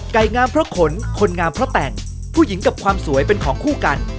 งามเพราะขนคนงามเพราะแต่งผู้หญิงกับความสวยเป็นของคู่กัน